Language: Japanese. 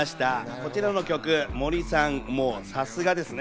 こちらの曲、森さん、さすがですね。